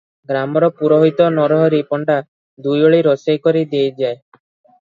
ଗ୍ରାମର ପୁରୋହିତ ନରହରି ପଣ୍ଡା ଦୁଇଓଳି ରୋଷେଇ କରି ଦେଇଯାଏ ।